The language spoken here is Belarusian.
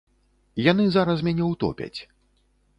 Яны зараз мяне ўтопяць.